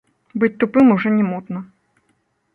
Быць тупым ужо не модна.